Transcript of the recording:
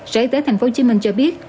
sở y tế tp hcm cho biết